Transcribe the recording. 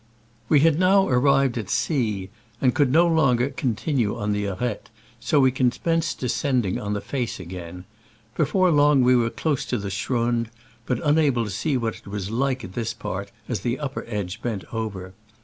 We had now arrived at C, and could no longer continue on the ar€te, so we commenced descending the face again. Before long we were close to the schrund, but unable to see what it was like at this part, as the upper edge bent over.